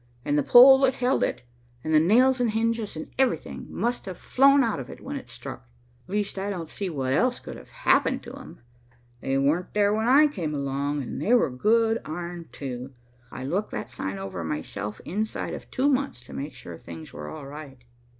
And the pole that held it, and the nails and hinges and everything must have flown out of it when it struck. Least, I don't see what else could have happened to 'em. They weren't there when I came along, and they were good iron, too. I looked that sign over, myself, inside of two months, to make sure things were all right."